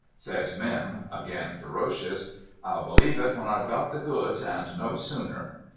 Says Mim (again ferocious), ' I'll believe it when I've got the goods, and no sooner.'